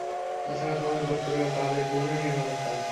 এছাড়া তোমার গোত্র পাবে পূর্ণ নিরাপত্তা।